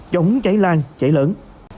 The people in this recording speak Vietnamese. chống cháy lan cháy lẫn